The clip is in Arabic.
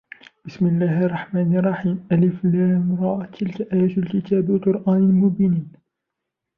بِسْمِ اللَّهِ الرَّحْمَنِ الرَّحِيمِ الر تِلْكَ آيَاتُ الْكِتَابِ وَقُرْآنٍ مُبِينٍ